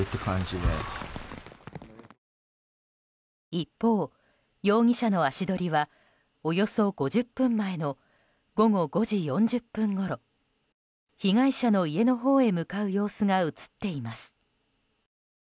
一方、容疑者の足取りはおよそ５０分前の午後５時４０分ごろ被害者の家のほうに向かう様子が映っています。